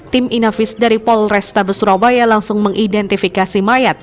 tim inavis dari polrestabes surabaya langsung mengidentifikasi mayat